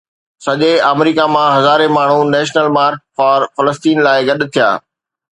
سڄي آمريڪا مان هزارين ماڻهو نيشنل مارچ فار فلسطين لاءِ گڏ ٿيا